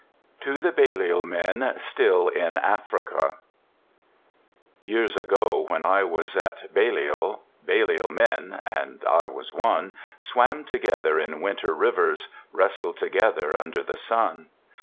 TO THE BALLIOL MEN STILL IN AFRICA Years ago when I was at Balliol, Balliol men—and I was one— Swam together in winter rivers, Wrestled together under the sun.